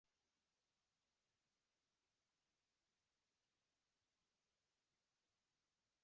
Esa grabación tuvo tan buena acogida, que se ha impuesto como referencia.